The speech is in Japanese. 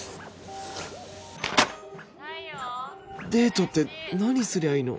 太陽飯・デートって何すりゃいいの？